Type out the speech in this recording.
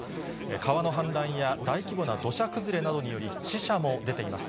川の氾濫や大規模な土砂崩れなどにより、死者も出ています。